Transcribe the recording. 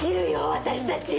私たち。